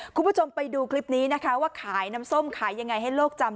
คุณผู้ชมไปดูคลิปนี้นะคะว่าขายน้ำส้มขายยังไงให้โลกจำ